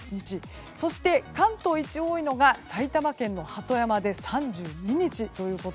そして、関東一多いのが埼玉県の鳩山で３２日。